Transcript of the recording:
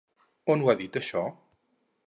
On ho ha dit això?